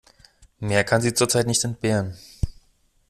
Mehr kann sie zurzeit nicht entbehren.